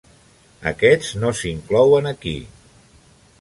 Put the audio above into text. Aquests no s'inclouen aquí.